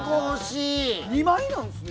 ２枚なんですね。